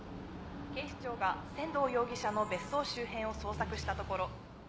警視庁が仙堂容疑者の別荘周辺を捜索したところ